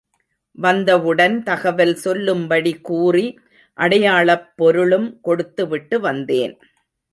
வந்தவுடன் தகவல் சொல்லும்படி, கூறி அடையாளப் பொருளும் கொடுத்துவிட்டு வந்தேன்.